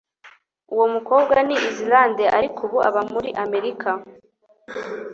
Uwo mukobwa ni Islande, ariko ubu aba muri Amerika.